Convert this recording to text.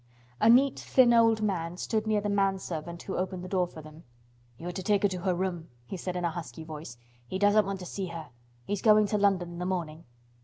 A neat, thin old man stood near the manservant who opened the door for them. "You are to take her to her room," he said in a husky voice. "He doesn't want to see her. He's going to London in the morning."